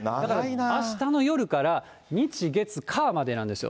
あしたの夜から日、月、火までなんですよ。